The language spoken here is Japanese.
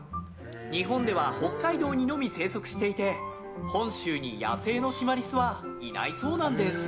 日本では北海道にのみ生息していて本州に野生のシマリスはいないそうなんです。